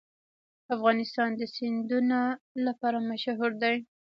افغانستان د سیندونه لپاره مشهور دی.